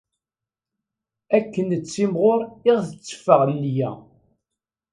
Akken nettimɣur i ɣ-tetteffeɣ nneyya.